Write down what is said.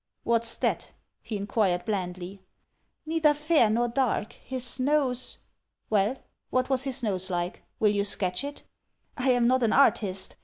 "What's that?" he inquired blandly. "Neither fair nor dark — his nose —" EVIDENCE 273 "Well, what was his nose like? Will you sketch it?" "I am not an artist.